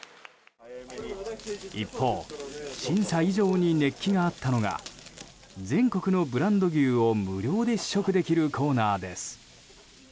一方審査以上に熱気があったのが全国のブランド牛を無料で試食できるコーナーです。